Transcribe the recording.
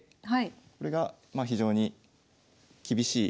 これが非常に厳しい。